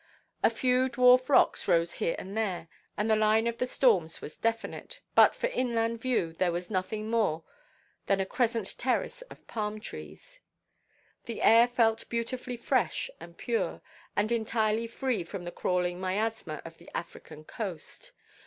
A few dwarf rocks rose here and there, and the line of the storms was definite, but for inland view there was nothing more than a crescent terrace of palm–trees. The air felt beautifully fresh and pure, and entirely free from the crawling miasma of the African coast.